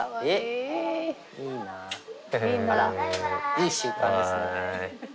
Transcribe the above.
いい習慣ですね。